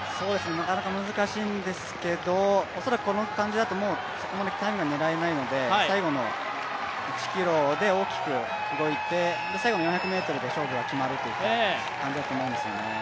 なかなか難しいんですけど恐らくこの感じだとそこまでタイムは狙えないので、最後の１ｋｍで大きく動いて、最後の４００ｍで勝負が決まるという感じだと思うんですよね。